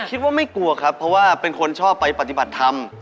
คิดว่าไม่กลัวครับเพราะว่าเป็นคนชอบไปปฏิบัติธรรม